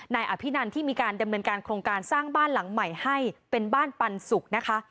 นายอภินันที่มีการดำเนินการโครงการสร้างบ้านหลังใหม่ให้เป็นบ้านปันสุกนะคะ